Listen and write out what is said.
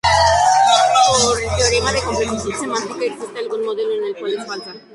Por el teorema de completitud semántica, existe algún modelo en el cual es falsa.